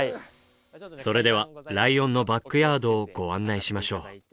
それではライオンのバックヤードをご案内しましょう。